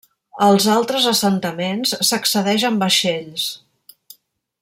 Als altres assentaments s'accedeix amb vaixells.